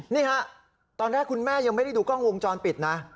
นี่ฮะตอนแรกคุณแม่ยังไม่ได้ดูกล้องวงจรปิดนะ